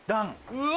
うわ！